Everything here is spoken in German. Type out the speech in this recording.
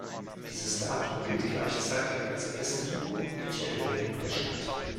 Dieses Datum gilt gleichzeitig als erste urkundliche Erwähnung der Stadt.